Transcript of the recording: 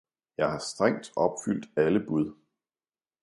Jeg har strengt opfyldt alle bud!